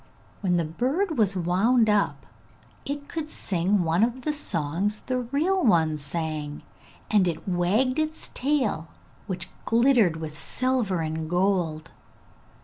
When the bird was wound up it could sing one of the songs the real one sang, and it wagged its tail, which glittered with silver and gold.